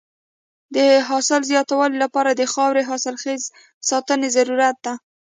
د حاصل د زیاتوالي لپاره د خاورې حاصلخېزۍ ساتنه ضروري ده.